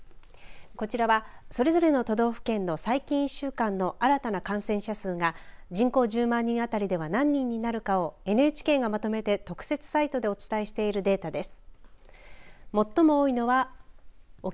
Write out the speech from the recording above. こちらはそれぞれの都道府県の最近１週間の新たな感染者数が人口１０万人当たりでは何人になるかをＮＨＫがまとめて特設サイトでお伝えしているデータです。